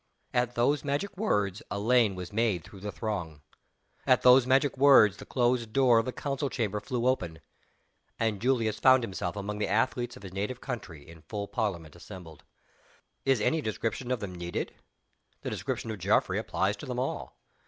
At those magic words a lane was made through the throng. At those magic words the closed door of the council chamber flew open; and Julius found himself among the Athletes of his native country, in full parliament assembled. Is any description of them needed? The description of Geoffrey applies to them all.